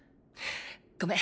ごめん